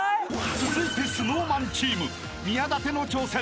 ［続いてＳｎｏｗＭａｎチーム宮舘の挑戦］